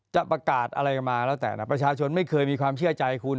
จะประกาศอะไรมาแล้วแต่นะประชาชนไม่เคยมีความเชื่อใจคุณ